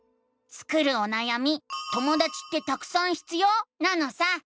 スクるおなやみ「ともだちってたくさん必要？」なのさ！